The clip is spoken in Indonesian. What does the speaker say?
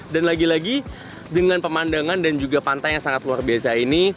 dan lagi lagi dengan pemandangan dan juga pantai yang sangat luar biasa ini